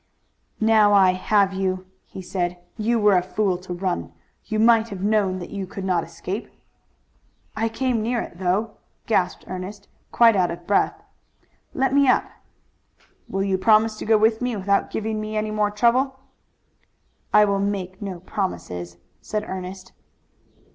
"Now I have you," he said. "You were a fool to run. You might have known that you could not escape." "I came near it, though," gasped Ernest, quite out of breath. "Let me up." "Will you promise to go with me without giving me any more trouble?" "I will make no promises," said Ernest.